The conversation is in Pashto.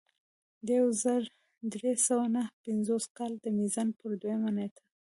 د یو زر درې سوه نهه پنځوس کال د میزان پر دویمه نېټه.